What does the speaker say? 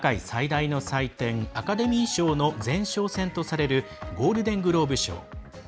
最大の祭典アカデミー賞の前哨戦とされるゴールデングローブ賞。